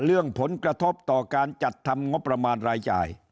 เรื่องผลกระทบต่อการจัดทำงบประมาณรายจ่าย